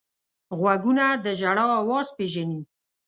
غوږونه د ژړا اواز پېژني